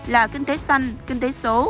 là kinh tế xanh kinh tế số